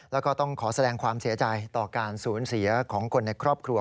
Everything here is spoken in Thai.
แล้วก็ต้องขอแสดงความเสียใจต่อการสูญเสียของคนในครอบครัว